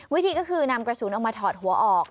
วิธีก็คือนำกระสุนออกมาถอดหัวออก